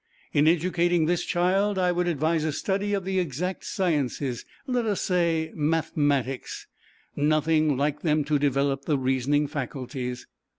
In educating this child, I would advise a study of the Exact Sciences, let us say Mathematics, nothing like them to develop the reasoning faculties."